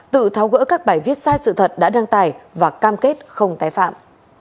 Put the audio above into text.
tự tháo gỡ các bài viết sai sự thật đã đăng tải và cam kết không tái phạm